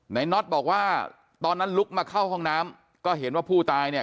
น็อตบอกว่าตอนนั้นลุกมาเข้าห้องน้ำก็เห็นว่าผู้ตายเนี่ย